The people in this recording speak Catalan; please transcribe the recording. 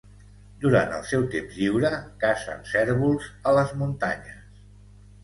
Durant el seu temps lliure, cacen cérvols a les muntanyes.